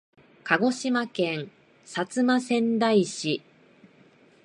鹿児島県薩摩川内市